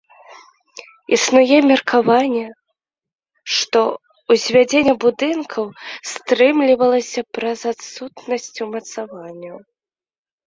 Існуе меркаванне, што ўзвядзенне будынкаў стрымлівалася праз адсутнасць умацаванняў.